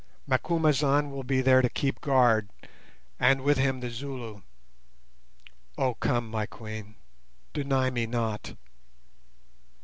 Macumazahn will be there to keep guard, and with him the Zulu. Oh come, my Queen, deny me not."